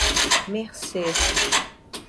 Mercês